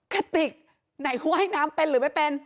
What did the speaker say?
กระติกไหนคุณว่ายน้ำเป็นหรือไม่เป็น